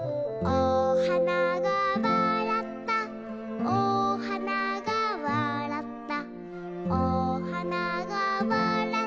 「おはながわらったおはながわらった」